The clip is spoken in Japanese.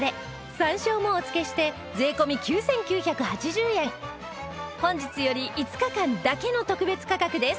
山椒もお付けして税込９９８０円本日より５日間だけの特別価格です